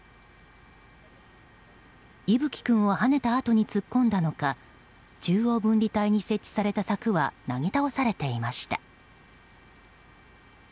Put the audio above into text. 偉楓君をはねたあとに突っ込んだのか中央分離帯に設置された柵はなぎ倒されていました。